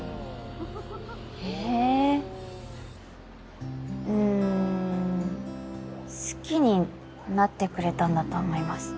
えうん好きになってくれたんだと思います